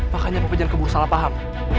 makanya papa jangan keburu salah paham